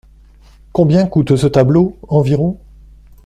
Combien coûte ce tableau environ ?